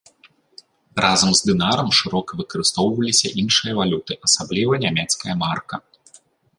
Разам з дынарам шырока выкарыстоўваліся іншыя валюты, асабліва нямецкая марка.